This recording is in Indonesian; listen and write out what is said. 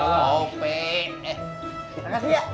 terima kasih ya